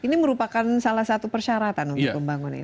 ini merupakan salah satu persyaratan untuk pembangunan ini